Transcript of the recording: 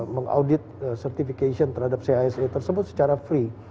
mengaudit certification terhadap cisa tersebut secara free